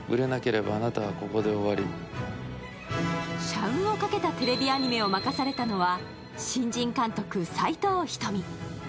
社運をかけたテレビアニメを任されたのは、新人監督・斎藤瞳。